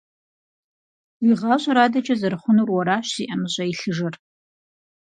Уи гъащӀэр адэкӀэ зэрыхъунур уэращ зи ӀэмыщӀэ илъыжыр.